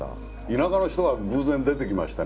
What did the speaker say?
田舎の人が偶然出てきましてね